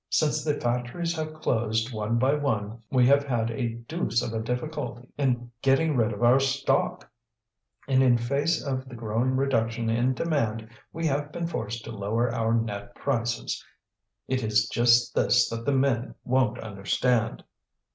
Since the factories have closed, one by one, we have had a deuce of a difficulty in getting rid of our stock; and in face of the growing reduction in demand we have been forced to lower our net prices. It is just this that the men won't understand."